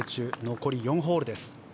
残り４ホールです。